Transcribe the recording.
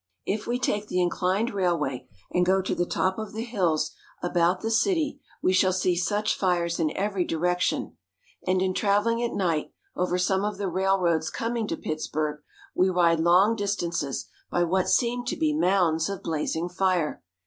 If we take the inclined railway and go to the top of the hills about the city, we shall see such fires in every direction ; and in traveling at night over some of the railroads coming to Pittsburg, we ride long distances by what seem to be mounds of blazing fire.